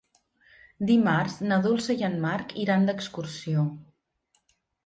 Dimarts na Dolça i en Marc iran d'excursió.